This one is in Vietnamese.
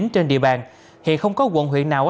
trên địa bàn hiện không có quận huyện nào